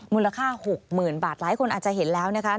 มูลค่า๖๐๐๐บาทหลายคนอาจจะเห็นแล้วนะคะ